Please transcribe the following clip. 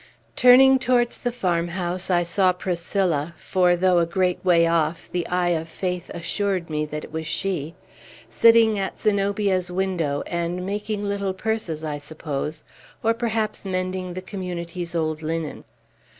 Turning towards the farmhouse, I saw Priscilla (for, though a great way off, the eye of faith assured me that it was she) sitting at Zenobia's window, and making little purses, I suppose; or, perhaps, mending the Community's old linen.